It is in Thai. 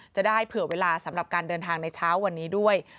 จะได้เผื่อเวลาสำหรับการเดินทางในเช้าวันนี้ด้วย